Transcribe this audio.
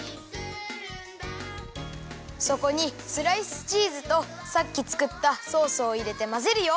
そこにスライスチーズとさっきつくったソースをいれてまぜるよ。